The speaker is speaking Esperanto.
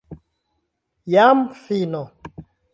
Jam fino!